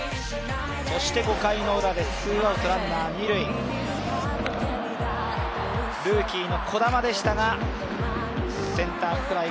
そして５回ウラ、ツーアウトランナー二塁、ルーキーの児玉でしたがセンターフライ。